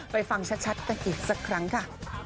ฟังชัดกันอีกสักครั้งค่ะ